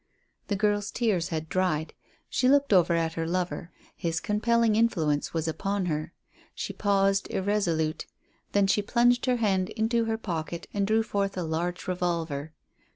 The girl's tears had dried. She looked over at her lover. His compelling influence was upon her. She paused irresolute; then she plunged her hand into her pocket and drew forth a large revolver.